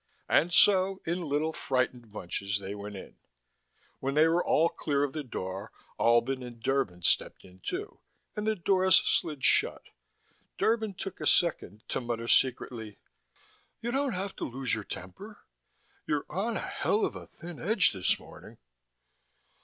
And so, in little, frightened bunches, they went in. When they were all clear of the door, Albin and Derban stepped in, too, and the doors slid shut. Derban took a second to mutter secretly: "You don't have to lose your temper. You're on a hell of a thin edge this morning."